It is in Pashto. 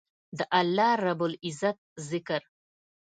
د الله رب العزت ذکر